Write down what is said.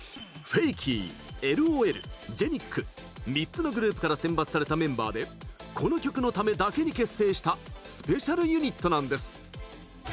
ＦＡＫＹｌｏｌＧＥＮＩＣ３つのグループから選抜されたメンバーでこの曲のためだけに結成したスペシャルユニットなんです。